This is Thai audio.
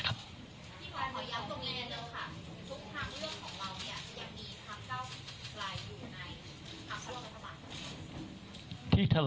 พี่ฝ่ายพอยังตรงนี้เดี๋ยวค่ะทุกทางเลือกของเราเนี่ยจะยังมีคำเก้าไกลอยู่ในอัพพระราชมันครับ